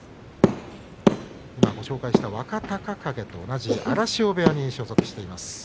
ご紹介した若隆景と同じ荒汐部屋に所属しています。